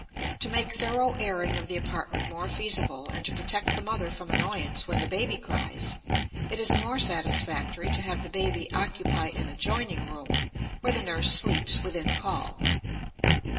To make thorough airing of the apartment more feasible and to protect the mother from annoyance when the baby cries, it is more satisfactory to have the baby occupy an adjoining room where the nurse sleeps within call.